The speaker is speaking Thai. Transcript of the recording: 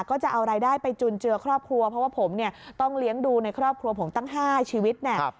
ก็จะเอารายได้ไปจุนเจือครอบครัวเพราะว่าผมเนี่ยต้องเลี้ยงดูในครอบครัวผมตั้ง๕ชีวิตเนี่ย